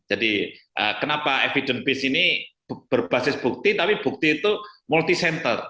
jadi kenapa evidence based ini berbasis bukti tapi bukti itu multi center